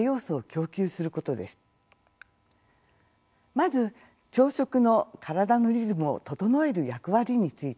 まず朝食の体のリズムを整える役割についてです。